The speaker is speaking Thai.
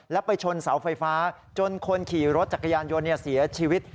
แล้วไปชนเสาไฟฟ้าจนคนขี่รถจักรยานยนต์เสียชีวิต